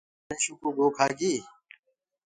ڪآ دآنشو ڪوُ گو کآگي۔